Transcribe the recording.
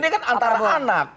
ini kan antara anak